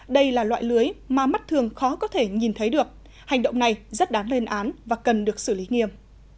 đây là loại lưới mà mắt thường khó có thể nhìn thấy được hành động này rất đáng lên án và cần được xử lý nghiêm